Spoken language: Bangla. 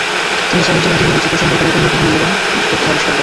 তিনি সে অঞ্চলের জীববৈচিত্র্য সম্পর্কে নতুন নতুন মূল্যবান তথ্য আবিষ্কার করেন।